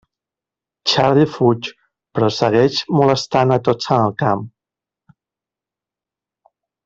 Charlie fuig però segueix molestant a tots en el camp.